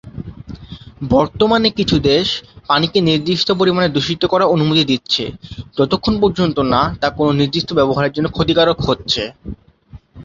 বর্তমানে কিছু দেশ পানিকে নির্দিষ্ট পরিমানে দূষিত করার অনুমতি দিচ্ছে, যতক্ষণ পর্যন্ত না তা কোন নির্দিষ্ট ব্যবহারের জন্য ক্ষতিকারক হচ্ছে।